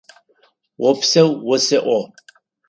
Опсэу осэӏо!